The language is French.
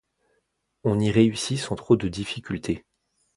On y réussit sans trop de difficulté